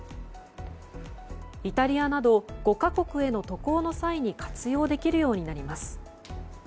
イタリアなど５か国への渡航の際に活用できるようになります。